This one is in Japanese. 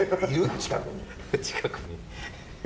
近くに。